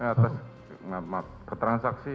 atas keterangan saksi